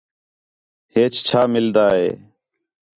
ہیچ چھا مِلدا ہے